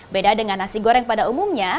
beda dengan nasi goreng pada umumnya